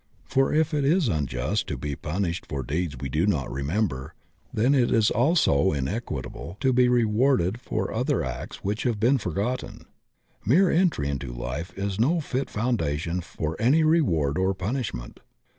For if it is unjust to be punished for deeds we do not remember, then it is also inequi table to be rewarded for other acts which have been forgotten. Mere entry into Ufe is no fit foundation for any reward or punishment.